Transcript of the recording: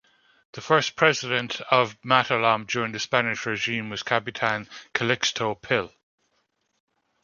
The first president of Matalom during the Spanish regime was Capitan Calixto Pil.